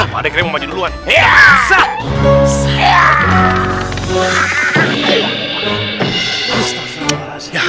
padatnya mau duluan ya